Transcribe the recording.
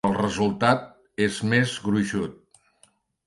El resultat és més gruixut